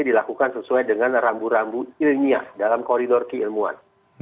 dilakukan sesuai dengan rambu rambu ilmiah dalam koridor keilmuan